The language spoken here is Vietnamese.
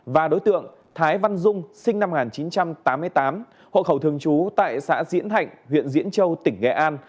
và đối tượng thái văn dung sinh năm một nghìn chín trăm tám mươi tám hộ khẩu thường trú tại xã diễn thạnh huyện diễn châu tỉnh nghệ an